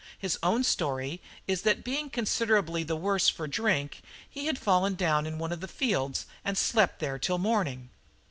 His own story is that being considerably the worse for drink, he had fallen down in one of the fields and slept there till morning."